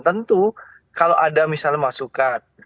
tentu kalau ada misalnya masukan